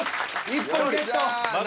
１本ゲット。